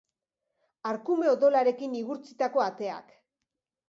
Arkume odolarekin igurtzitako ateak.